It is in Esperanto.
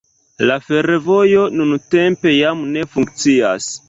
La fervojo nuntempe jam ne funkcias.